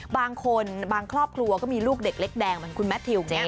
บางคนบางครอบครัวก็มีลูกเด็กเล็กแดงเหมือนคุณแมททิวอย่างนี้